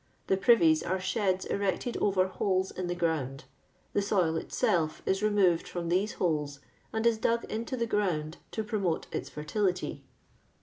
The privies am sheds erected over holes in the ground ; the soil itself is removed from these holes and is dug into the ground to promote its fertility.